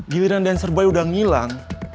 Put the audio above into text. giliran dancer boy udah ngilang